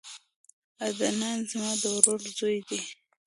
عدنان زما د ورور زوی دی